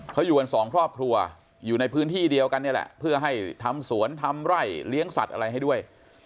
เขาอยู่กันสองครอบครัวอยู่ในพื้นที่เดียวกันนี่แหละเพื่อให้ทำสวนทำไร่เลี้ยงสัตว์อะไรให้ด้วย